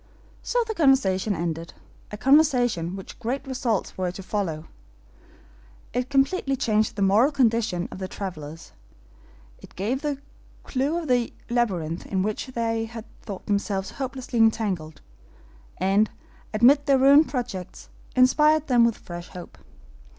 So the conversation ended a conversation which great results were to follow; it completely changed the moral condition of the travelers; it gave the clew of the labyrinth in which they had thought themselves hopelessly entangled, and, amid their ruined projects, inspired them with fresh hope.